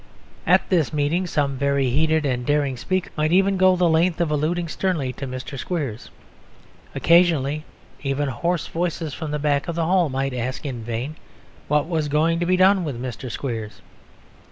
At this meeting some very heated and daring speakers might even go the length of alluding sternly to Mr. Squeers. Occasionally even hoarse voices from the back of the hall might ask (in vain) what was going to be done with Mr. Squeers.